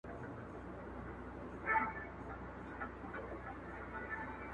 • د وخت پاچا زما اته ي دي غلا كړي.